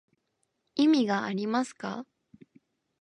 意味がありますか